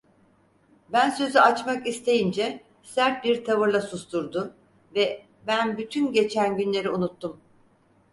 Ben sözü açmak isteyince sert bir tavırla susturdu ve: 'Ben bütün geçen günleri unuttum.